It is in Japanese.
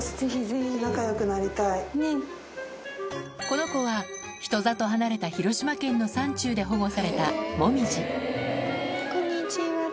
この子は人里離れた広島県の山中で保護されたこんにちは。